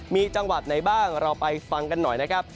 มีจังหวัดไหนบ้างเราไปฟังกันหน่อยนะครับ